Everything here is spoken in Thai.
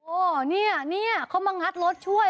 เนี่ยนี่เขามางัดรถช่วย